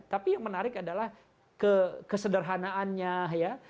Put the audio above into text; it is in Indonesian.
tapi yang menarik adalah kesederhanaannya ya